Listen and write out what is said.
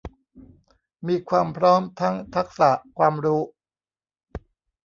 มีความพร้อมทั้งทักษะความรู้